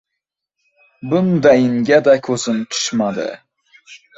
Bundayinga-da ko‘zim tushmadi.